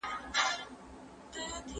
ستا د ږغ څــپه